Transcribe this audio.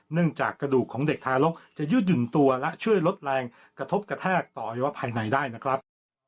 จากกระดูกของเด็กทารกจะยืดหยุ่นตัวและช่วยลดแรงกระทบกระแทกต่ออวัยวะภายในได้นะครับ